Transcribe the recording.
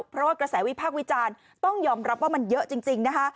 เพราะว่ากระแสวิพากษ์วิจารณ์ต้องยอมรับว่ามันเยอะจริงนะคะ